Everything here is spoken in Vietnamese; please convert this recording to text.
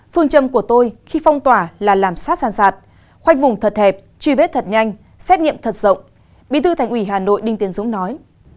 phương châm của tôi khi phong tỏa là làm sát sàn khoanh vùng thật hẹp truy vết thật nhanh xét nghiệm thật rộng bí thư thành ủy hà nội đinh tiến dũng nói